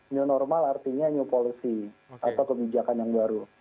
new normal artinya new policy atau kebijakan yang baru